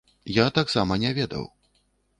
Я таксама не ведаў.